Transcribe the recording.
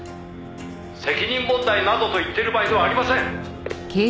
「責任問題などと言ってる場合ではありません！」